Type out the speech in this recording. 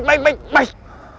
baik baik baik